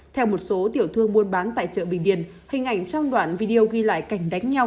theo một số tiểu thương buôn bán tại chợ bình điền hình ảnh trong đoạn video ghi lại cảnh đánh nhau